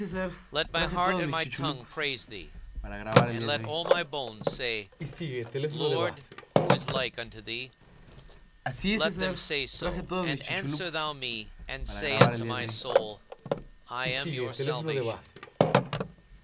" Let my heart and my tongue praise thee, and let all my bones say, "Lord, who is like unto thee?" Let them say so, and answer thou me and say unto my soul, "I am your salvation."